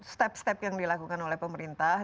step step yang dilakukan oleh pemerintah